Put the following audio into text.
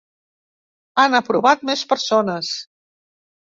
Han aprovat més persones.